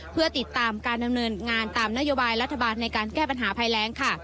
เพื่อติดตามการดำเนินงานตามนโยบายรัฐบาลในการแก้ปัญหาภัยแรงค่ะ